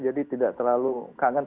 jadi tidak terlalu kangen